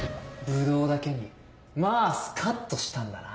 ブドウだけに「まぁスカっと」したんだな。